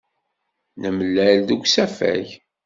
Nemlal deg usafag.